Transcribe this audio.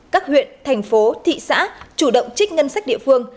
các huyện thành phố thị xã chủ động trích ngân sách địa phương